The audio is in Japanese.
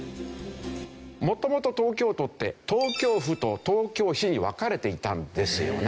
元々東京都って東京府と東京市に分かれていたんですよね。